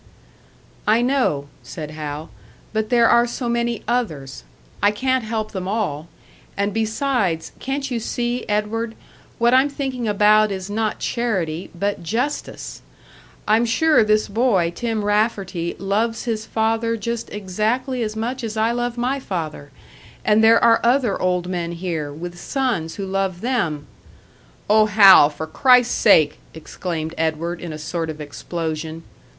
"I know," said Hal, "but there are so many others; I can't help them all. And besides, can't you see, Edward what I'm thinking about is not charity, but justice. I'm sure this boy, Tim Rafferty, loves his father just exactly as much as I love my father; and there are other old men here, with sons who love them " "Oh, Hal, for Christ's sake!" exclaimed Edward, in a sort of explosion.